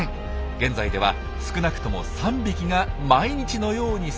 現在では少なくとも３匹が毎日のように巣箱を使っているそうです。